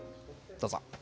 どうぞ。